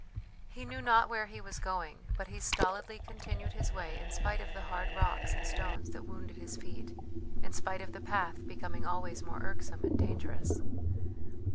He knew not where he was going, but he stolidly continued his way in spite of the hard rocks and stones that wounded his feet, in spite of the path becoming always more irksome and dangerous.